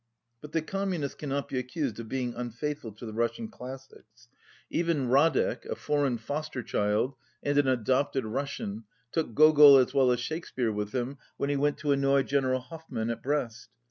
But the Communists cannot be accused of being unfaithful to the Russian classics. Even 185 Radek, a foreign fosterchild and an adopted Rus sian, took Gogol as well as Shakespeare with him when he went to annoy General Hoffmann at Brest.